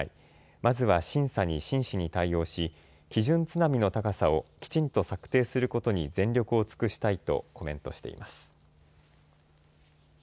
まずは審査に真摯に対応し基準津波の高さをきちんと策定することに全力を尽くしたいとコメントしています。